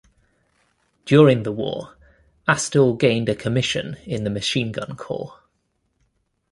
During the war, Astill gained a commission in the Machine Gun Corps.